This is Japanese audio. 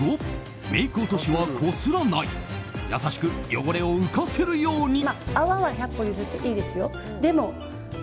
５メイク落としはこすらない優しく、汚れを浮かせるように。